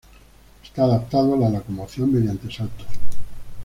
Está adaptado a la locomoción mediante saltos.